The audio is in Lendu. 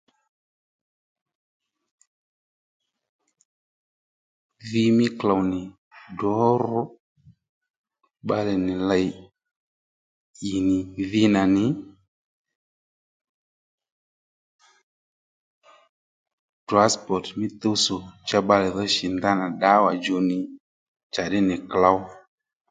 Dhi mí klôw nì drǒ ru bbalè nì lèy ì nì dhi nà nì transport mí tuwtsò cha bbalè dho shì ndanà ddǎwà djò nì njàddí nì klǒw